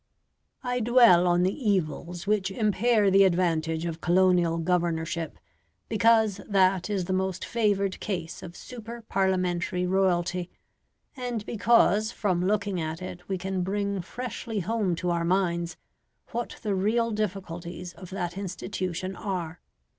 I dwell on the evils which impair the advantage of colonial governorship because that is the most favoured case of super Parliamentary royalty, and because from looking at it we can bring freshly home to our minds what the real difficulties of that institution are.